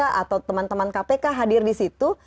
atau teman teman kpk hadir disitu